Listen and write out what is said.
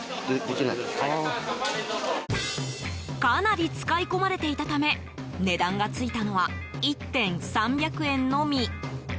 かなり使い込まれていたため値段がついたのは１点、３００円のみ。